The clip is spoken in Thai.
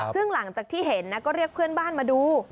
ซึ่งหลังจากที่เห็นก็เรียกเพื่อนบ้านมาดู